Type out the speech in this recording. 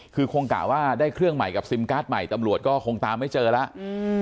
คือคงกะว่าได้เครื่องใหม่กับซิมการ์ดใหม่ตำรวจก็คงตามไม่เจอแล้วอืม